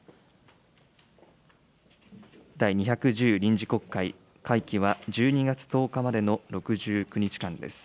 第２１０臨時国会、会期は１２月１０日までの６９日間です。